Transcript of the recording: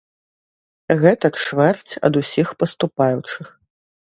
Гэта чвэрць ад усіх паступаючых.